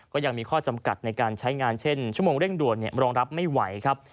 ก็ยังมีข้อจำกัดในการใช้งานเช่นชั่วโมงเร่งด่วนรองรับไม่ไหวครับ